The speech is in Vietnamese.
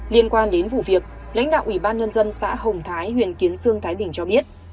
liên quan đến vụ việc lãnh đạo ủy ban nhân dân xã hồng thái huyện kiến sương thái bình cho biết